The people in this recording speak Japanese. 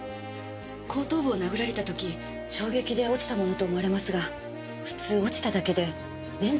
後頭部を殴られた時衝撃で落ちたものと思われますが普通落ちただけでレンズはあんな割れ方しません。